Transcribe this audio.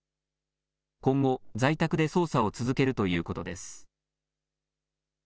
今後、在宅で捜査を続けるということです。